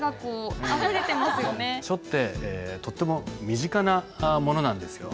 書ってとっても身近なものなんですよ。